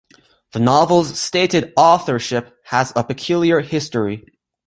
The novel's stated authorship has a peculiar history.